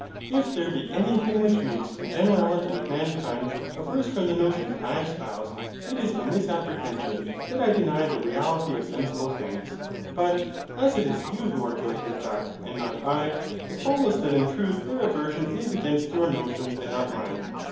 If there be anything which makes the generality of mankind averse from the notions I espouse, it is a misapprehension that I deny the reality of sensible things. But, as it is you who are guilty of that, and not I, it follows that in truth their aversion is against your notions and not mine.